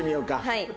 はい。